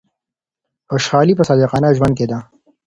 خوشحالي په صادقانه ژوند کي ده.